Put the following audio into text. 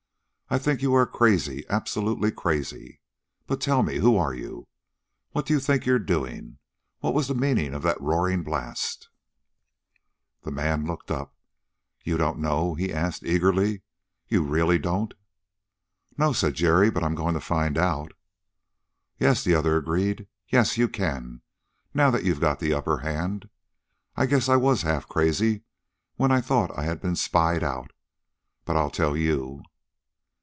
I think you are crazy, absolutely crazy. But, tell me, who are you? What do you think you're doing? What was the meaning of that roaring blast?" The man looked up. "You don't know?" he asked eagerly. "You really don't?" "No," said Jerry; "but I'm going to find out." "Yes," the other agreed. "Yes, you can, now that you've got the upper hand. I guess I was half crazy when I thought I had been spied out. But I'll tell you."